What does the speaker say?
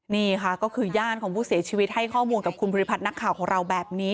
นี่ค่ะก็คือญาติของผู้เสียชีวิตให้ข้อมูลกับคุณภูริพัฒน์นักข่าวของเราแบบนี้